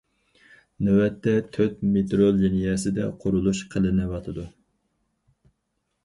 نۆۋەتتە، تۆت مېترو لىنىيەسىدە قۇرۇلۇش قىلىنىۋاتىدۇ.